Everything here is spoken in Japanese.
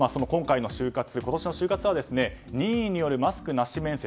今年の就活は任意によるマスクなし面接